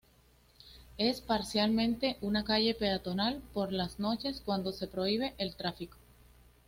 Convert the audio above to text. Es parcialmente una calle peatonal por las noches cuando se prohíbe el tráfico.